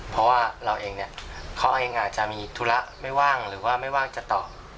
เพราะว่าเราเองเนี่ยเขาเองอาจจะมีธุระไม่ว่างหรือว่าไม่ว่างจะตอบ